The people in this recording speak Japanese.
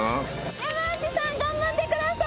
山内さん頑張ってください。